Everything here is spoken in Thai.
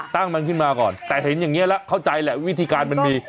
ตั้งมันขึ้นมาก่อนแต่เห็นอย่างนี้แล้วเข้าใจแหละวิธีการมันมี